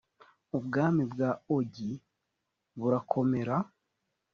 ubwami bwa ogi burakomera